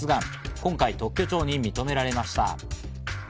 今回、特許庁に認められました。